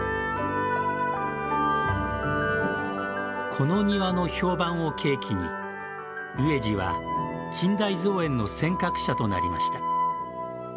この庭の評判を契機に植治は近代造園の先覚者となりました。